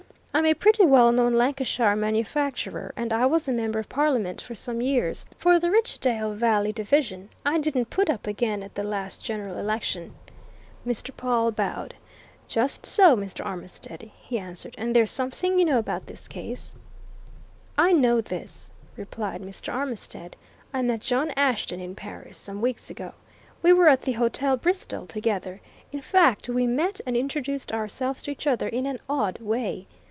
I'm a pretty well known Lancashire manufacturer, and I was a member of Parliament for some years for the Richdale Valley division. I didn't put up again at the last General Election." Mr. Pawle bowed. "Just so, Mr. Armitstead," he answered. "And there's something you know about this case?" "I know this," replied Mr. Armitstead. "I met John Ashton in Paris some weeks ago. We were at the Hotel Bristol together. In fact, we met and introduced ourselves to each other in an odd way.